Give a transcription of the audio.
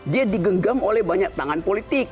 dia digenggam oleh banyak tangan politik